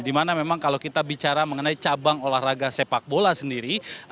dimana memang kalau kita bicara mengenai cabang olahraga sepak bola sendiri